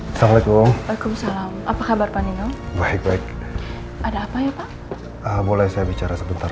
assalamualaikum waalaikumsalam apa kabar pak nino baik baik ada apa ya pak boleh saya bicara sebentar